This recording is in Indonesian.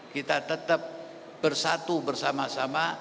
kita tetap bersatu bersama sama